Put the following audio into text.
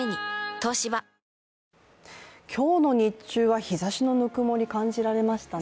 東芝今日の日中は日ざしのぬくもり感じられましたね。